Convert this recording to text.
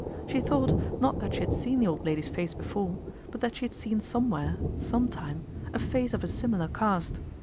She thought, not that she had seen the old lady's face before, but that she had seen somewhere, some time, a face of a similar cast.